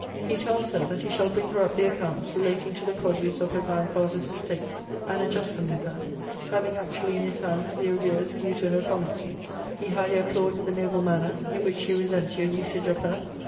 'He tells her, that he shall bring her up the accounts relating to the produce of her grandfather's estate, and adjust them with her; having actually in his hands the arrears due to her from it. 'He highly applauds the noble manner in which she resents your usage of her.